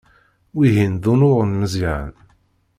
Wihin d unuɣ n Meẓyan.